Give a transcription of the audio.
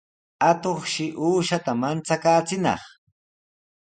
Atuqshi uushata manchakaachinaq.